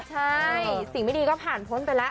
ใช่สิ่งไม่ดีก็ผ่านพ้นไปแล้ว